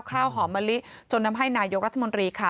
ข้าวหอมมะลิจนทำให้นายกรัฐมนตรีค่ะ